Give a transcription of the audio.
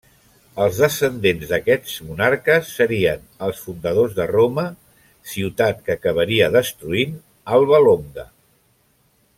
Els descendents d'aquests monarques serien els fundadors de Roma, ciutat que acabaria destruint Alba Longa.